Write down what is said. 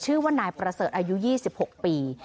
ชื่อว่านายประเสริฐอายุ๒๖ปี